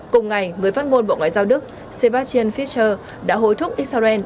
cùng ngày người phát ngôn bộ ngoại giao đức sebastian fischer đã hối thúc israel